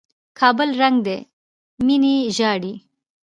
کابل ړنګ دى ميني ژاړي